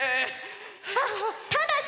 あっただし！